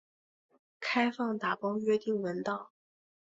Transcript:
开放打包约定文档。